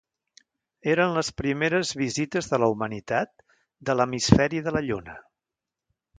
Eren les primeres vistes de la humanitat de l'hemisferi de la Lluna.